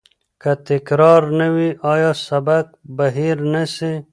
که تکرار نه وي، آیا سبق به هیر نه سی؟